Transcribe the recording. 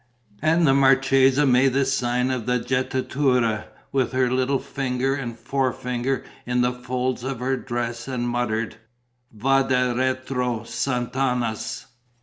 And the marchesa made the sign of the jettatura with her little finger and fore finger in the folds of her dress and muttered: "Vade retro, Satanas...."